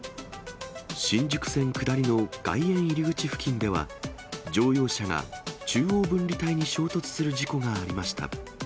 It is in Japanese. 新宿線下りの外苑入口付近では、乗用車が中央分離帯に衝突する事故がありました。